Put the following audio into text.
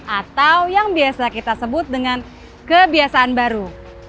atau yang biasa kita sebut dengan kebiasaan baru